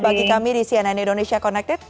bagi kami di cnn indonesia connected